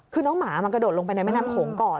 คือน้องหมามันกระโดดลงไปในแม่น้ำโขงก่อน